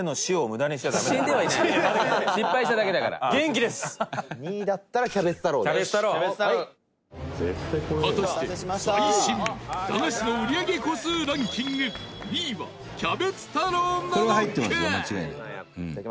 駄菓子の売り上げ個数ランキング２位はキャベツ太郎なのか？